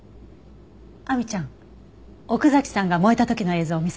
亜美ちゃん奥崎さんが燃えた時の映像見せて。